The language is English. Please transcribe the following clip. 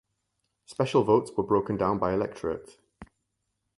Special votes were broken down by electorate.